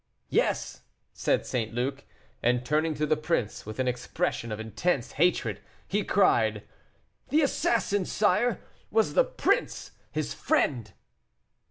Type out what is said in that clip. "Yes," said St. Luc, and turning to the prince, with an expression of intense hatred, he cried, "the assassin, sire, was the prince, his friend."